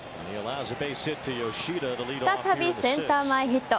再びセンター前ヒット。